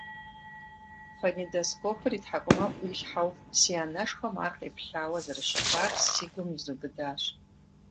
Фонедоскопыр и тхьэкӀумэм Ӏуилъхьэу си анэшхуэм ар къеплъауэ зэрыщытар си гум изубыдащ.